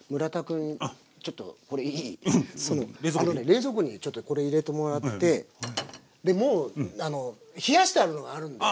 冷蔵庫にちょっとこれ入れてもらってでもう冷やしてあるのがあるんだよ。